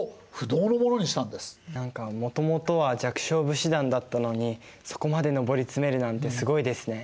何かもともとは弱小武士団だったのにそこまで上り詰めるなんてすごいですね。